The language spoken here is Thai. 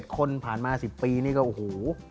คนผ่านมา๑๐ปีนี่ก็โอ้โห